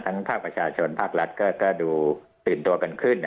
ภาคประชาชนภาครัฐก็ดูตื่นตัวกันขึ้น